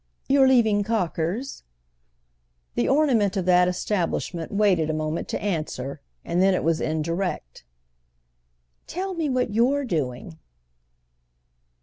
"You're leaving Cocker's?" The ornament of that establishment waited a moment to answer, and then it was indirect. "Tell me what you're doing."